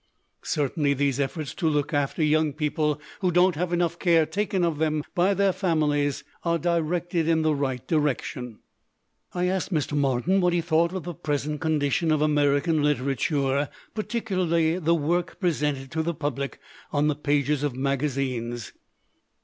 Certainly these efforts to look after young people who don't have enough care taken of them by their families are directed in the right direc tion." I asked Mr. Martin what he thought of the present condition of American literature, par 127 LITERATURE IN THE MAKING ticularly the work presented to the public on the pages of magazines.